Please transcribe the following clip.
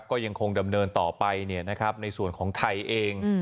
ก็ยังคงดำเนินต่อไปในส่วนของไทยเอง